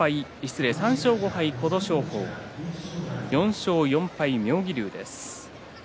３勝５敗、琴勝峰４勝４敗、妙義龍です。